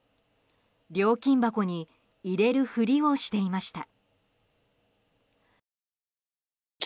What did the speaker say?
料金箱に入れるふりをしていました。